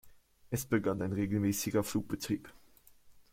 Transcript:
Es begann ein regelmäßiger Flugbetrieb.